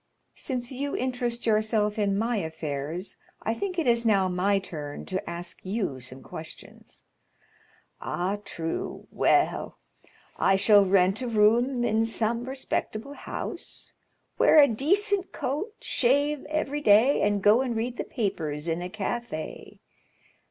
"Since you interest yourself in my affairs, I think it is now my turn to ask you some questions." "Ah, true. Well; I shall rent a room in some respectable house, wear a decent coat, shave every day, and go and read the papers in a café.